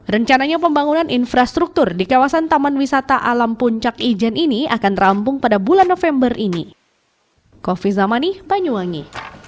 rencananya pembangunan infrastruktur di kawasan taman wisata alam puncak ijen ini akan rampung pada bulan november ini